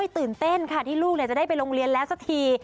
ตื่นเต้นค่ะที่ลูกจะได้ไปโรงเรียนแล้วสักที